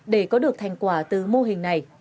để có được thành quả từ mô hình này